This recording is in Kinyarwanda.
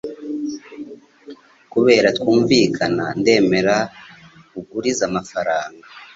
Kubera twumvikana ndemera nkugurize amafaranga